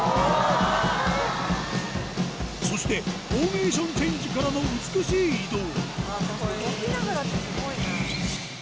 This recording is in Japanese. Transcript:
そして、フォーメーションチェンジからの美しい移動。